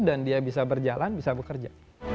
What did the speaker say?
dan dia bisa berjalan bisa bekerja